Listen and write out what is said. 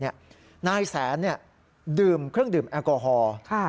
นายแสนดื่มเครื่องดื่มแอลกอฮอล์